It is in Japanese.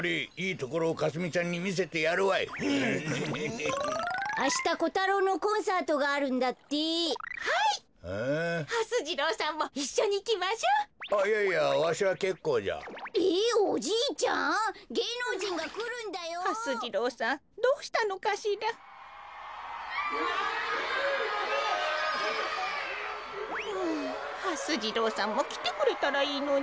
こころのこえああはす次郎さんもきてくれたらいいのに。